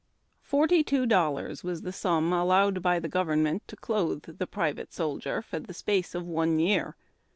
ORTY TWO dollars was the sum al lowed by the government to clotlie the private soldier for the space of one year.